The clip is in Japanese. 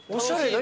何？